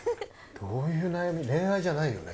どういう悩み恋愛じゃないよね